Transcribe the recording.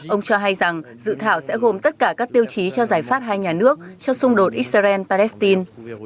ông cho hay rằng dự thảo sẽ gồm tất cả các tiêu chí cho giải pháp hai nhà nước cho xung đột israel palestine